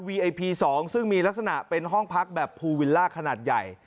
ไอพี๒ซึ่งมีลักษณะเป็นห้องพักแบบภูวิลล่าขนาดใหญ่